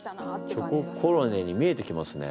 チョココロネに見えてきますね。